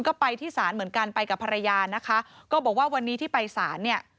ก็ไปที่ศาลเหมือนกันไปกับภรรยานะคะก็บอกว่าวันนี้ที่ไปศาลเนี่ย